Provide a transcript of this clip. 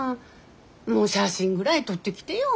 もう写真ぐらい撮ってきてよ。